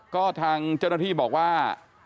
ก็ทางเจ้าหน้าที่บอกว่า